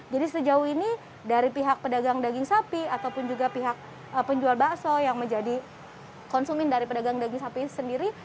jadi sejauh ini dari pihak pedagang daging sapi ataupun juga pihak penjual bakso yang menjadi konsumen dari pedagang daging sapi sendiri